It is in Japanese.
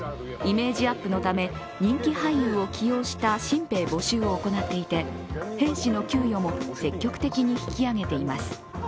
イメージアップのため人気俳優を起用した新兵募集を行っていて兵士の給与も積極的に引き上げています。